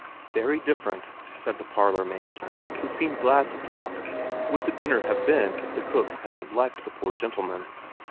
Very different, said the parlourmaid, who seemed glad to talk, would the dinner have been if the cook hadn't liked the poor gentleman.